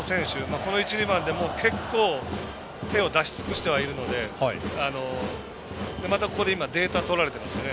この１、２番で、結構手を出し尽くしているのでまた、ここで今データとられてますよね。